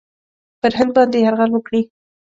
پر هند باندي یرغل وکړي.